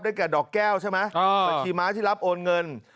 แก่ดอกแก้วใช่ไหมบัญชีม้าที่รับโอนเงิน